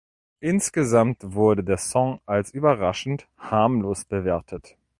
Insgesamt wurde der Song als überraschend harmlos bewertet.